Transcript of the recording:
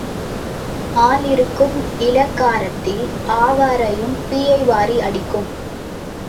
ஆள் இருக்கும் இளக்காரத்தில் ஆவாரையும் பீயை வாரி அடிக்கும்.